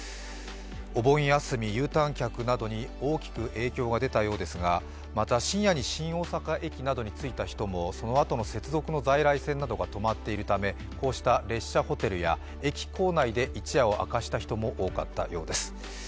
お盆休み、Ｕターン客などに多くの影響が出たようですがまた、深夜に新大阪駅などに着いた人も、そのあとの接続の在来線などが止まっているため、こうした列車ホテルや駅構内で一夜を明かした人も多かったようです。